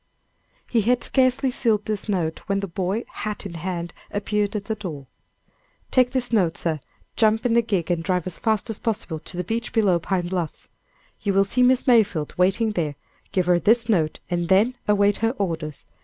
He had scarcely sealed this note, when the boy, hat in hand, appeared at the door. "Take this note, sir, jump in the gig and drive as fast as possible to the beach below Pine Bluffs. You will see Miss Mayfield waiting there, give her this note, and then await her orders.